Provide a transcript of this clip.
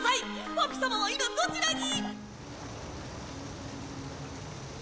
パピ様は今どちらに？